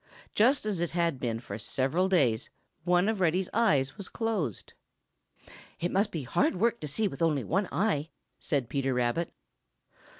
Just as it had been for several days, one of Reddy's eyes was closed. "It must be hard work to see with only one eye," said Peter Rabbit.